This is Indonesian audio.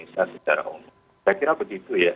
saya kira begitu ya